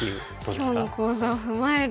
今日の講座を踏まえると。